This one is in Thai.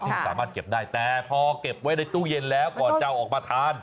สามารถเก็บได้แต่พอเก็บไว้ในตู้เย็นแล้วก่อนจะเอาออกมาทาน